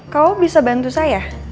kau bisa bantu saya